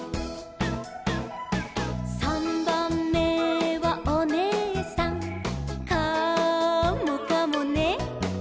「さんばんめはおねえさん」「カモかもね」